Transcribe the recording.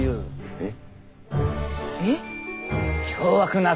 えっ？